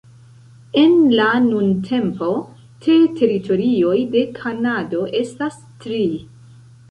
En la nuntempo, te teritorioj de Kanado estas tri.